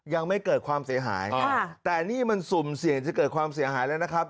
ยังไม่เกิดความเสียหายแต่นี่มันสุ่มเสี่ยงจะเกิดความเสียหายแล้วนะครับ